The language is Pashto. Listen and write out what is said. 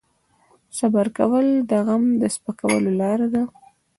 صبر کول د غم د سپکولو لاره ده.